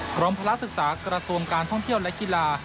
พระละศึกษากระทรวงการท่องเที่ยวและกีฬา